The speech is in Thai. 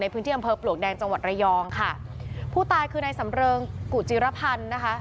พื้นที่อำเภอปลวกแดงจังหวัดระยองค่ะผู้ตายคือนายสำเริงกุจิรพันธ์นะคะ